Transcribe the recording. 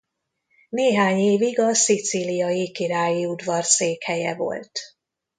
Néhány évig a szicíliai királyi udvar székhelye volt.